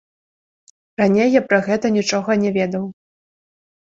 Раней я пра гэта нічога не ведаў.